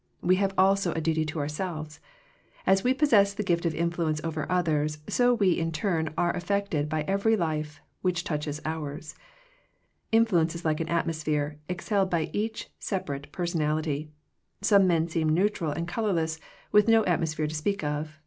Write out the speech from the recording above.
We have also a duty to ourselves. As we possess the gift of influence over others, so we in turn are affected by every life which touches ours. Influence is like an atmos phere exhaled by each separate person ality. Some men seem neutral and color less, with no atmosphere to speak of.